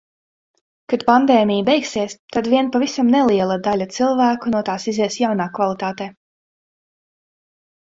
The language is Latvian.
Kad pandēmija beigsies, tad vien pavisam neliela daļa cilvēku no tās izies jaunā kvalitātē.